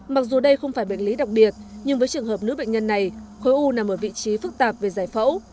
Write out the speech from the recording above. mặc dù đây không phải bệnh lý đặc biệt nhưng với trường hợp nữ bệnh nhân này khối u nằm ở vị trí phức tạp về giải phẫu